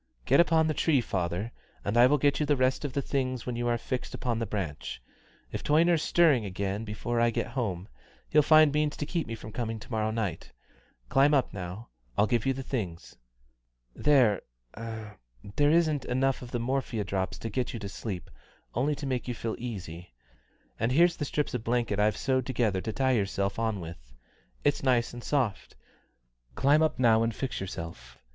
"Get up on the tree, father, and I will give you the rest of the things when you are fixed on the branch. If Toyner's stirring again before I get home, he'll find means to keep me from coming to morrow night. Climb up now. I'll give you the things. There there isn't enough of the morphia drops to get you to sleep, only to make you feel easy; and here's the strips of blanket I've sewed together to tie yourself on with. It's nice and soft climb up now and fix yourself.